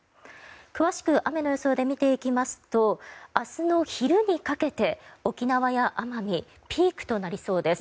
詳しく雨の予想で見ていきますと明日の昼にかけて沖縄や奄美ピークとなりそうです。